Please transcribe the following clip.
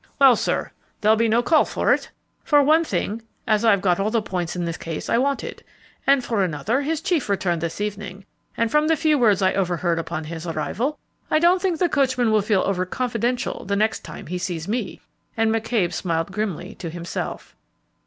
"Well, sir, there'll be no call for it, for one thing, as I've got all the points in the case I wanted; and for another, his chief returned this evening, and, from the few words I overheard upon his arrival, I don't think the coachman will feel over confidential the next time he sees me," and McCabe smiled grimly to himself.